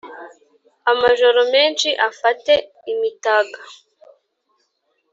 amajoro menshi afate imitaga